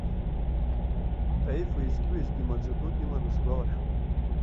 Таиф уиезгьы-уиезгьы маӡа дук иманы сгәалашәом.